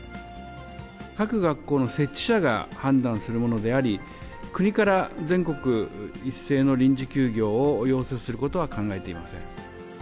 各学校の設置者が判断するものであり、国から全国一斉の臨時休業を要請することは考えていません。